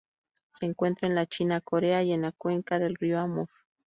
Se encuentra en la China, Corea y en la cuenca del río Amur.